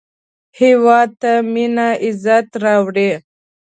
هېواد ته مینه عزت راوړي